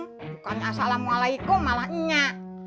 bukan assalamualaikum malah nyak